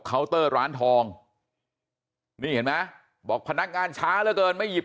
เตอร์ร้านทองนี่เห็นไหมบอกพนักงานช้าเหลือเกินไม่หยิบ